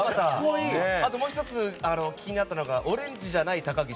あともう１つ気になったのがオレンジじゃない高岸。